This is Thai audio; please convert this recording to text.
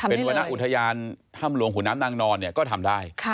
เป็นวรรณอุทยานถ้ำหลวงขุนน้ำนางนอนเนี่ยก็ทำได้